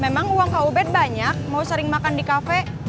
memang uang kobed banyak mau sering makan di kafe